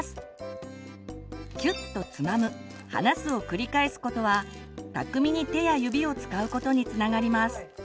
キュッとつまむ離すを繰り返すことは巧みに手や指を使うことにつながります。